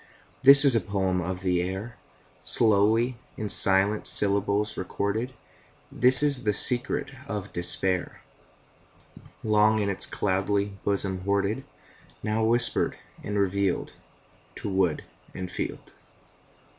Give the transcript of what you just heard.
This is the poem of the air, Slowly in silent syllables recorded; This is the secret of despair, Long in its cloudy bosom hoarded, Now whispered and revealed To wood and field.